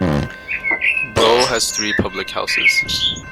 Brough has three public houses.